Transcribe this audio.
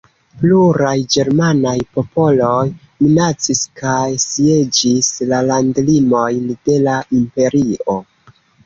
Pluraj ĝermanaj popoloj minacis kaj sieĝis la landlimojn de la Imperio.